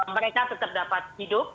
mereka tetap dapat hidup